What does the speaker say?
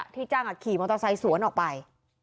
ที่จ้างขี่มอเตอร์ไซค์สวนออกไป